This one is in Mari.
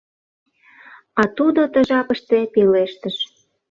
А тудо ты жапыште пелештыш: